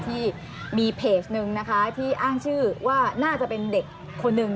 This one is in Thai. ที่มีเพจนึงนะคะที่อ้างชื่อว่าน่าจะเป็นเด็กคนหนึ่ง